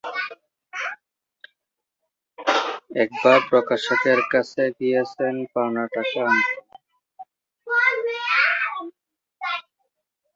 একবার প্রকাশকের কাছে গিয়েছেন পাওনা টাকা আনতে।